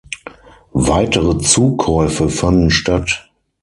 Weitere Zukäufe fanden statt.